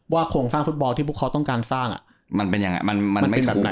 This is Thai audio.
โครงสร้างฟุตบอลที่พวกเขาต้องการสร้างมันเป็นยังไงมันไม่สำเร็จ